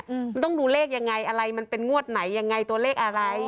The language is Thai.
อืมมันต้องดูเลขยังไงอะไรมันเป็นงวดไหนยังไงตัวเลขอะไร